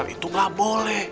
itu gak boleh